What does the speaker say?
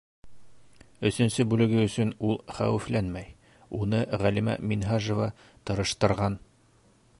Өсөнсө бүлеге өсөн ул хәүефләнмәй, уны Ғәлимә Минһажева тырыштырған.